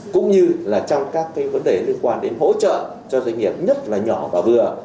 cũng như là trong các vấn đề liên quan đến hỗ trợ cho doanh nghiệp nhất là nhỏ và vừa